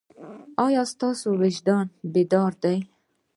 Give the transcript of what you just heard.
ایا ستاسو وجدان بیدار دی؟